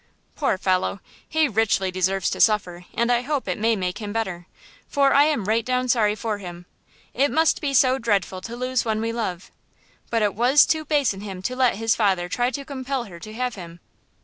"Poor fellow! He richly deserves to suffer, and I hope it may make him better, for I am right down sorry for him; it must be so dreadful to lose one we love; but it was too base in him to let his father try to compel her to have him.